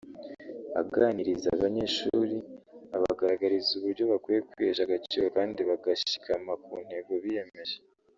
aganiriza abanyeshuri abagaragariza uburyo bakwiye kwihesha agaciro kandi bagashikama ku ntego biyemeje